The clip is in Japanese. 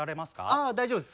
あ大丈夫です。